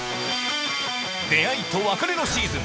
出会いと別れのシーズン